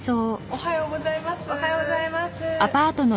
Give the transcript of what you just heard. おはようございます。